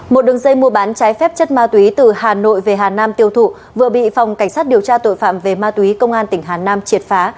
một đường dây mua bán trái phép chất ma túy từ hà nội về hà nam tiêu thụ vừa bị phòng cảnh sát điều tra tội phạm về ma túy công an tỉnh hà nam triệt phá